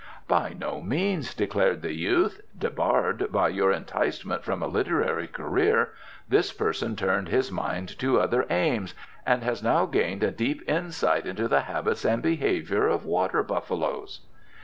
"By no means!" declared the youth. "Debarred by your enticement from a literary career this person turned his mind to other aims, and has now gained a deep insight into the habits and behaviour of water buffaloes."